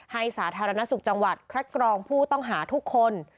สาธารณสุขจังหวัดคัดกรองผู้ต้องหาทุกคน